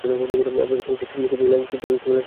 আর কিছুই লেখবার মত খুঁজে পাচ্ছি না।